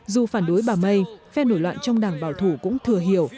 dù phản đối bà may phe nổi loạn trong đảng bảo thủ cũng thừa hiểu